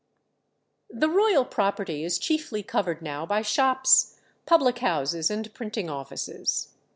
The royal property is chiefly covered now by shops, public houses, and printing offices.